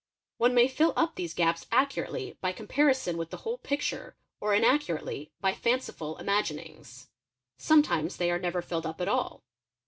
One may fill up these gaps accurately by "comparison with the whole picture, or inaccurately by fanciful imagin : oi ings. Sometimes they are never filled up at all.